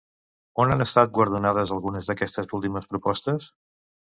On han estat guardonades algunes d'aquestes últimes propostes?